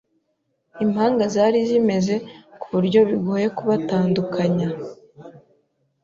Impanga zari zimeze kuburyo bigoye kubatandukanya.